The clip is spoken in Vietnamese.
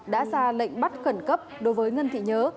đã ra lệnh bắt khẩn cấp đối với ngân thị nhớ